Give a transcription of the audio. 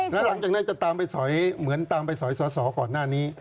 แล้วหลังจากนั้นจะตามไปสอยเหมือนตามไปสอยสอสอก่อนหน้านี้